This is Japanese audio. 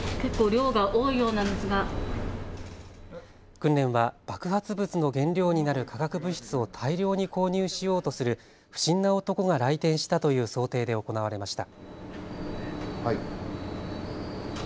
訓練は爆発物の原料になる化学物質を大量に購入しようとする不審な男が来店したという想定で行われました。